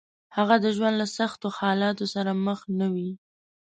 هغه د ژوند له سختو حالاتو سره مخ نه وي.